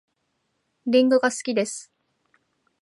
りんごが好きです